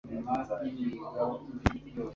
Panorama yubuzima ntiyakinguwe imbere ye